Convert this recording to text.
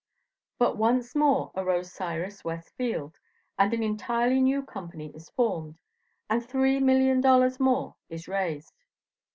But once more arose Cyrus West Field, and an entirely new company is formed, and $3,000,000 more is raised.